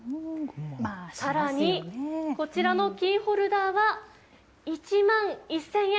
さらに、こちらのキーホルダーは、１万１０００円。